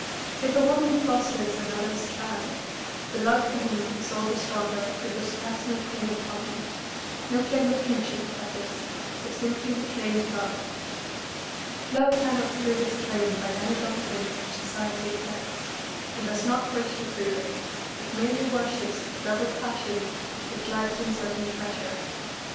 If a woman fosters another's child, her love for him is all the stronger because she has no claim upon him no claim of kinship, that is, but simply the claim of love. Love cannot prove its claim by any document which society accepts, and does not wish to prove it; it merely worships with double passion its life's uncertain treasure.